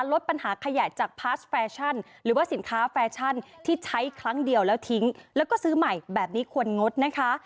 ลดปัญหาขยะจากพาสแฟชั่นหรือว่าสินค้าแฟชั่นที่ใช้ครั้งเดียวแล้วทิ้งแล้วก็ซื้อใหม่แบบนี้ควรงดนะคะ